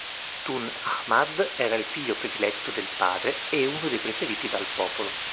Tun Ahmad era il figlio prediletto del padre e uno dei preferiti dal popolo.